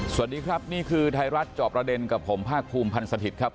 สวัสดีครับนี่คือไทยรัฐจอบประเด็นกับผมภาคภูมิพันธ์สถิตย์ครับ